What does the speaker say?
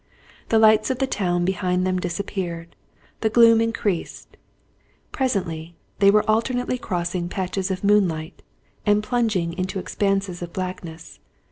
The lights of the town behind them disappeared; the gloom increased; presently they were alternately crossing patches of moonlight and plunging into expanses of blackness.